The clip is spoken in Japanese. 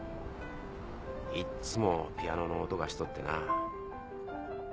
いっつもピアノの音がしとってな。